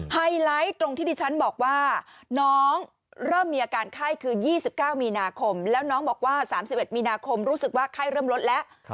ไฮไลท์ตรงที่ดิฉันบอกว่าน้องเริ่มมีอาการไข้คือ๒๙มีนาคมแล้วน้องบอกว่า๓๑มีนาคมรู้สึกว่าไข้เริ่มลดแล้ว